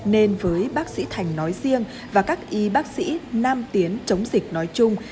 nên với bác sĩ thành nói riêng và các y bác sĩ nam tiến chống dịch nói chung